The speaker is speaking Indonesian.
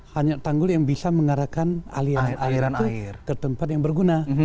hanya tanggul yang bisa mengarahkan airan airan itu ke tempat yang berguna